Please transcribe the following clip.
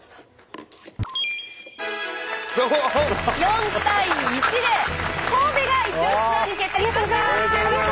４対１で神戸がイチオシツアーに決定しました！